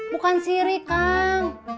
bukan sirik kang